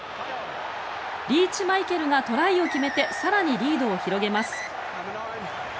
リーチマイケルがトライを決めて更にリードを広げます。